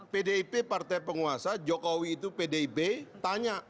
pdip partai penguasa jokowi itu pdib tanya